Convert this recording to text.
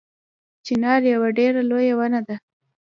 چنار یوه ډیره لویه ونه ده